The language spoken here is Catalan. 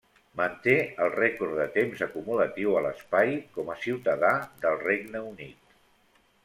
Manté el rècord de temps acumulatiu a l'espai com a ciutadà del Regne Unit.